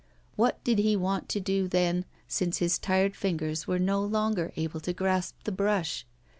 What did he want to do then, since his tired fingers were no longer able to grasp the brush?